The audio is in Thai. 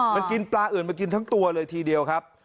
มันกินปลาอื่นมากินทั้งตัวเลยทีเดียวครับ